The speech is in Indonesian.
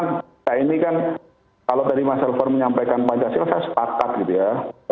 nah ini kan kalau tadi mas alvor menyampaikan pada saya saya sepakat gitu ya